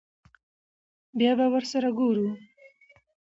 بيا به ور سره ګورو.